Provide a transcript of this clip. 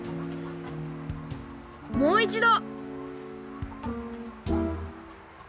もういちど！